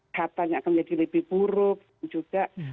hatanya akan menjadi lebih buruk juga